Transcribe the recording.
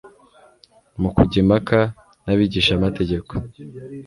Mu kujya impaka n'abigishamategeko,